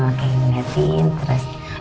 makanya ngeliatin terus